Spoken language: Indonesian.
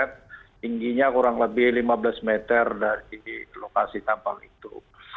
tingginya kurang lebih lima belas meter dari lokasi tampang itu